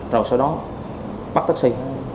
rồi sau đó bắt taxi